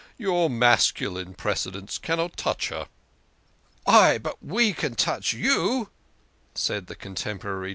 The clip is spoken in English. Your masculine precedents cannot touch her." "Ay, but we can touch you," said the contemporary HEM